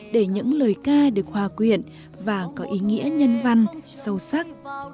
để những lời ca được hòa quyện và có ý nghĩa nhân văn sâu sắc